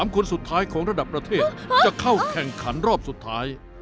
คนสุดท้ายของระดับประเทศจะเข้าแข่งขันรอบสุดท้าย